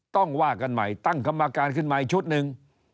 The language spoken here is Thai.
ต้องว่ากันใหม่ตั้งคำมาการขึ้นใหม่ชุดหนึ่ง